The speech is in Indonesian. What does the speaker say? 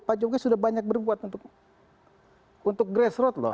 pak jokowi sudah banyak berbuat untuk grassroot loh